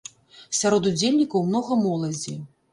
Сярод удзельнікаў многа моладзі.